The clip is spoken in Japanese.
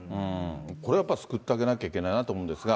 これはやっぱり救ってあげなきゃいけないなと思うんですが。